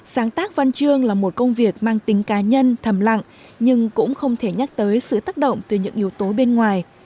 sáng tác văn chương là một công việc mang tính cá nhân thầm lặng nhưng cũng không thể nhắc tới sự tác động từ những yếu tố bên ngoài